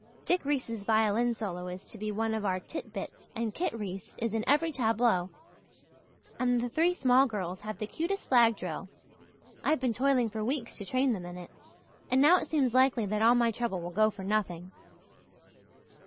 Dick Reese's violin solo is to be one of our titbits and Kit Reese is in every tableau and the three small girls have the cutest flag drill. I've been toiling for weeks to train them in it, and now it seems likely that all my trouble will go for nothing.